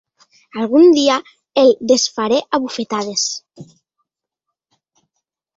Algun dia el desfaré a bufetades.